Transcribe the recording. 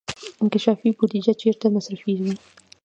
انکشافي بودجه چیرته مصرفیږي؟